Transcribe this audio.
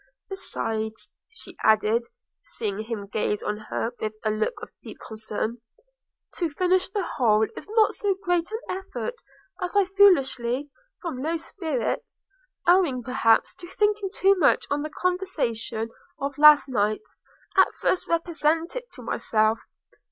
Besides,' added she, seeing him gaze on her with a look of deep concern, 'to finish the whole is not so great an effort as I foolishly, from low spirits, owing perhaps to thinking too much on the conversation of last night, at first represented it to myself.